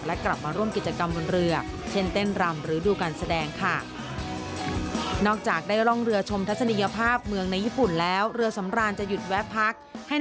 และกลับมาร่วมกิจกรรมบนเรือเช่นเต้นรำหรือดูการแสดงค่ะ